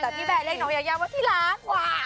แต่พี่แบร์เรียกน้องยาวว่าพี่รัก